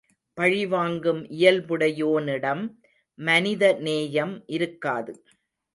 பழிவாங்கும் இயல்புடையோனிடம் மனித நேயம் இருக்காது.